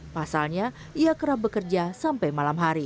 pasalnya ia kerap bekerja sampai malam hari